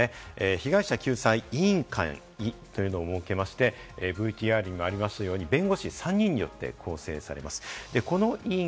被害者救済委員会というのを設けまして、ＶＴＲにもありましたように、弁護士３人によって構成されます。